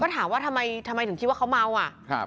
เห็นไหมเขาเปิดไฟฉุกเฉินอยู่ใช่ไหมคะ